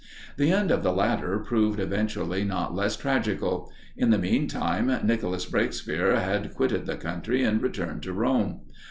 The end of the latter proved eventually not less tragical. In the mean time, Nicholas Breakspere had quitted the country, and returned to Rome.